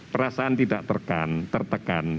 perasaan tidak terkan tertekan